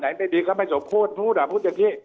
อะไรไม่ดีเขาไม่สมพูดพูดอย่างที่